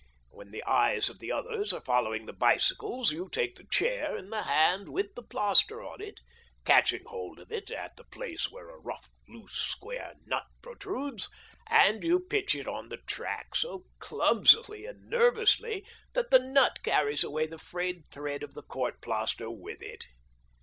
When the eyes of the others are following the '' AVALANCHE BICYCLE AND TYIiE CO., LTD." 185 bicycles you take the chair in the hand with the plaster on it, catching hold of it at the place where a rough, loose, square nut protrudes, and you pitch it on to the track so clumsily and nervously that the nut carries away the frayed thread of the court plaster with it.